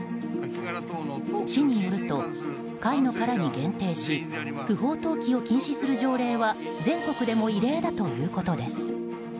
市によると、貝の殻に限定し不法投棄を禁止する条例は全国でも異例だということです。